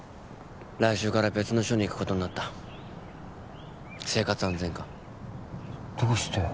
来週から別の署に行くことになった生活安全課どうして？